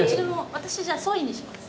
私じゃあＳＯＹにします。